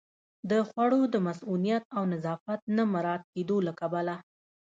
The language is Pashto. د خوړو د مصئونیت او نظافت نه مراعت کېدو له کبله